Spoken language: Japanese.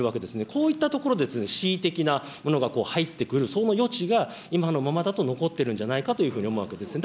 こういったところで恣意的な評価が入ってくる、その余地が今のままだと残ってるんじゃないかというふうに思うわけですね。